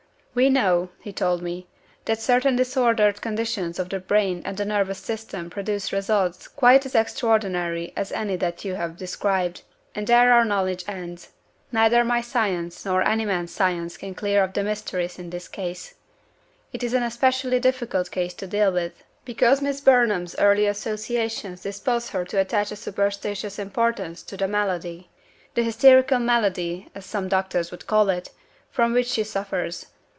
'We know,' he told me, 'that certain disordered conditions of the brain and the nervous system produce results quite as extraordinary as any that you have described and there our knowledge ends. Neither my science nor any man's science can clear up the mystery in this case. It is an especially difficult case to deal with, because Miss Burnham's early associations dispose her to attach a superstitious importance to the malady the hysterical malady as some doctors would call it from which she suffers.